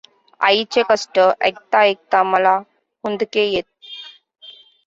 आईचे कष्ट ऐकता ऐकता मला हुंदके येत.